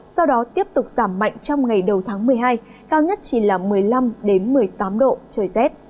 sau đó tiếp tục giảm mạnh trong ngày đầu tháng một mươi hai cao nhất chỉ là một mươi năm đến một mươi tám độ